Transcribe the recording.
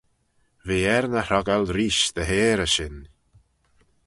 V'eh er ny hroggal reesht dy heyrey shin.